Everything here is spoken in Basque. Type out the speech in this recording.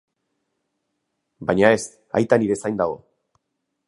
Baina ez, aita nire zain dago.